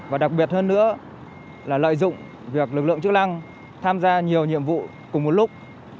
và đặc biệt hơn nữa là lợi dụng việc lực lượng chức năng tham gia nhiều nhiệm vụ cùng một lúc